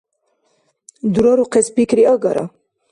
Дурарухъес пикри агара.